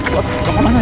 woy jangan kabur